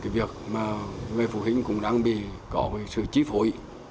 vì có sự chí phổi